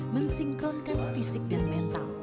mensinkronkan fisik dan mental